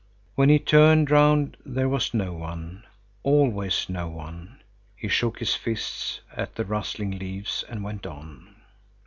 When he turned round, there was no one, always no one. He shook his fists at the rustling leaves and went on.